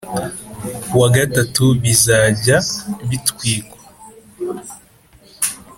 Wa gatatu bizajye bitwikwa